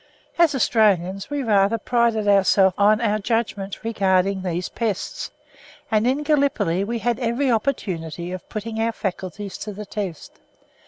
As Australians we rather prided ourselves on our judgment regarding these pests, and in Gallipoli we had every opportunity of putting our faculties to the test.